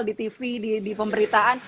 di tv di pemberitaan